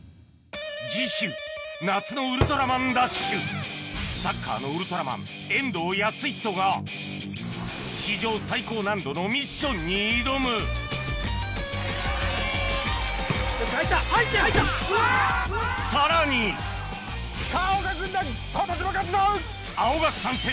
次週夏の『ウルトラマンＤＡＳＨ』サッカーのウルトラマン遠藤保仁が史上最高難度のミッションに挑むさらに・さぁ青学軍団今年も勝つぞ・青学参戦